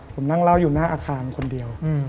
ผมนั่งเล่าอยู่หน้าอาคารคนเดียว